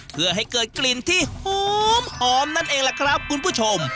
เพื่อให้เกิดกลิ่นที่หอมนั่นเองล่ะครับคุณผู้ชม